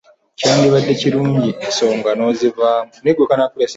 Kyandibadde kirungi ensonga n'ozivaamu.